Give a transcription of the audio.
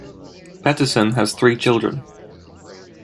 Petterson has three children.